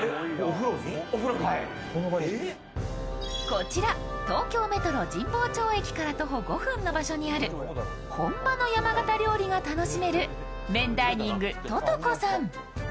こちら東京メトロ神保町駅から徒歩５分の場所にある本場の山形料理が楽しめる麺ダイニングととこさん。